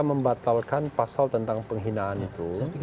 membatalkan pasal tentang penghinaan itu